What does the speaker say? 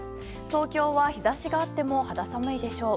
東京は日差しがあっても肌寒いでしょう。